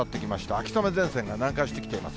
秋雨前線が南下してきています。